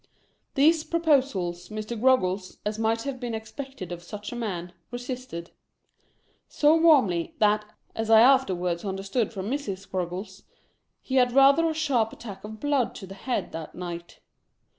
These proposals Mr. Groggles, as might have been expected of such a man, resisted; so warmly, that, as I afterward understood from Mrs. Grog gles, he had rather a sharp attack of blood to the head that night.